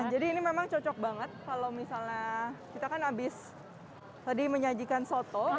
ini memang cocok banget kalau misalnya kita kan abis tadi menyajikan soto